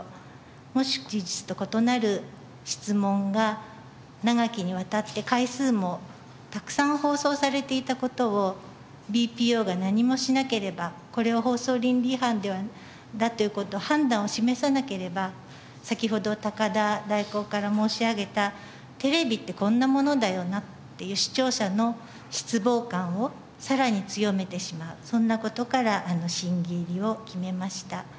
もし事実と異なる質問が長きにわたって回数もたくさん放送されていた事をＢＰＯが何もしなければこれは放送倫理違反だという事を判断を示さなければ先ほど高田代行から申し上げた「テレビってこんなものだよな」っていう視聴者の失望感をさらに強めてしまうそんな事から審議入りを決めました。